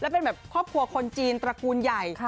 เป็นแบบครอบครัวคนจีนตระกูลใหญ่